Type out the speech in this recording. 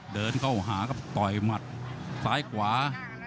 เดินเข้าหาครับต่อยหมัดซ้ายขวา